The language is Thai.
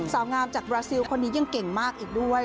สาวงามจากบราซิลคนนี้ยังเก่งมากอีกด้วย